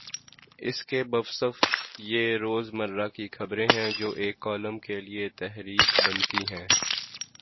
اس کے باوصف یہ روز مرہ کی خبریں ہیں جو ایک کالم کے لیے تحریک بنتی ہیں۔